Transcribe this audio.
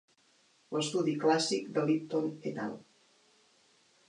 L'estudi clàssic de Lipton et al.